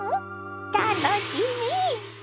楽しみ！